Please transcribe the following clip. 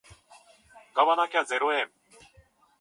買わなきゃゼロ円